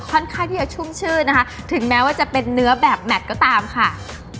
ค่อนข้างที่จะชุ่มชื่นนะคะถึงแม้ว่าจะเป็นเนื้อแบบแมทก็ตามค่ะ